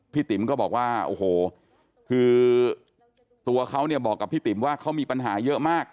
ติ๋มก็บอกว่าโอ้โหคือตัวเขาเนี่ยบอกกับพี่ติ๋มว่าเขามีปัญหาเยอะมาก